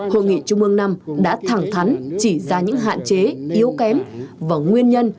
hội nghị trung ương năm đã thẳng thắn chỉ ra những hạn chế yếu kém và nguyên nhân